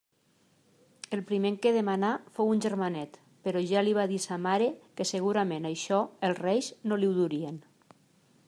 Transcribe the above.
El primer que demanà fou un germanet, però ja li va dir sa mare que segurament «això» els Reis no li ho durien.